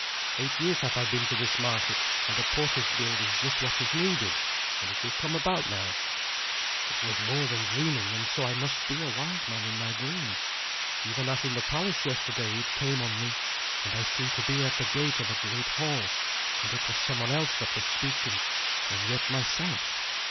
Eight years have I been to this market, and a porters' guild is just what is needed. And it will come about now." "It was more dreaming, and so I must be a wise man in my dream. Even as in the palace yesterday it came on me, and I seemed to be at the gate of a great hall, and it was someone else that was speaking, and yet myself.